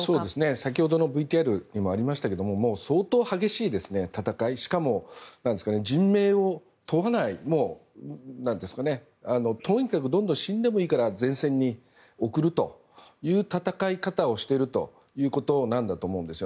先ほどのＶＴＲにもありましたけれども相当激しい戦いしかも人命を問わないとにかくどんどん死んでもいいから前線に送るという戦い方をしているということなんだと思うんです。